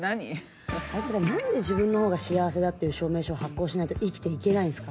あいつら何で自分のほうが幸せだっていう証明書を発行しないと生きて行けないんですか？